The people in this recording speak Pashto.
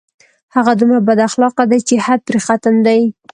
هغه دومره بد اخلاقه دی چې حد پرې ختم دی